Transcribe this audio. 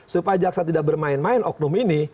supaya jaksa tidak bermain main oknum ini